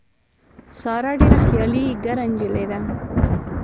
ساره ډېره خیالي ګره نجیلۍ ده.